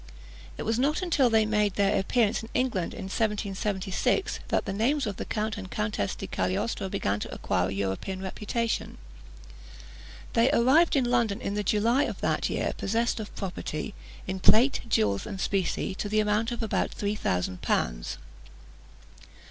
It was not until they made their appearance in England in 1776, that the names of the Count and Countess di Cagliostro began to acquire a European reputation. They arrived in London in the July of that year, possessed of property, in plate, jewels, and specie, to the amount of about three thousand pounds.